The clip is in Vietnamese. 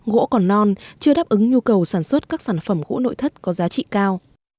gỗ còn non chưa đáp ứng nhu cầu sản xuất các sản phẩm gỗ nội thất có giá trị cao